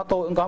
tôi cũng có